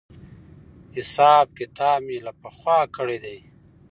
حساب کتاب مې له پخوا کړی دی.